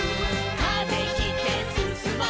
「風切ってすすもう」